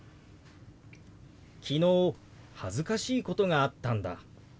「昨日恥ずかしいことがあったんだ」。